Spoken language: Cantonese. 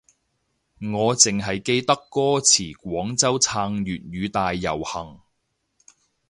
我淨係記得歌詞廣州撐粵語大遊行